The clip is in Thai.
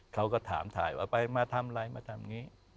เขาก็ถามถ่ายว่าไปมาทำอะไรมาทำอย่างนี้